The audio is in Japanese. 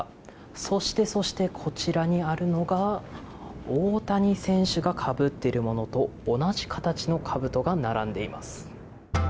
そしてそして、こちらにあるのが大谷選手がかぶっているものと同じ形のかぶとが並んでいます。